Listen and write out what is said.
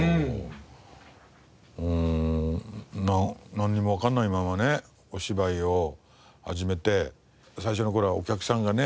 なんにもわかんないままねお芝居を始めて最初の頃はお客さんがね